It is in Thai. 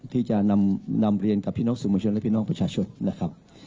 ที่จะนำเรียนกับพี่น้องสื่อมวลชนและพี่น้องประชาชนนะครับ